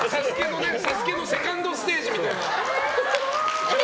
「ＳＡＳＵＫＥ」のセカンドステージみたいな状態で。